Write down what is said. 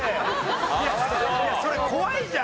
いやそれ怖いじゃん。